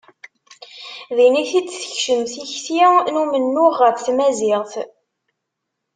Din i t-id-tekcem tikti n umennuɣ ɣef tmaziɣt.